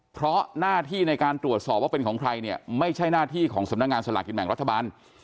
เพราะหน้าที่ในการตรวจสอบว่าเป็นของใครเนี่ยไม่ใช่หน้าที่ของสำนักงานสลากกินแบ่งรัฐบาล